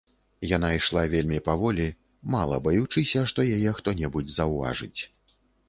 Яна ішла вельмі паволі, мала баючыся, што яе хто-небудзь заўважыць.